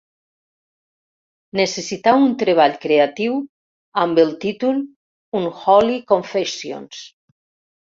Necessitar un treball creatiu amb el títol Unholy Confessions.